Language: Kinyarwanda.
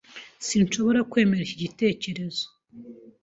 Sinshobora kwemera iki gitekerezo.